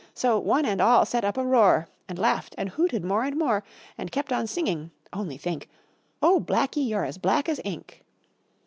So, one and all set up a roar, And laughed and hooted more and more, And kept on singing, only think! "Oh, Blacky, you're as black as ink!"